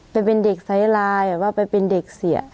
ไปเป็นเด็กไซส์ไลน์แบบว่าไปเป็นเด็กเสีย